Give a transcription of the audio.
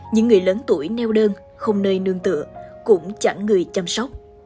những người lớn tuổi neo đơn không nơi nương tựa cũng chẳng người chăm sóc